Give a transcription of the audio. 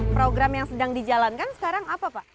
program yang sedang dijalankan sekarang apa pak